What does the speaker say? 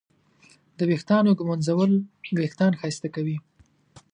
د ویښتانو ږمنځول وېښتان ښایسته کوي.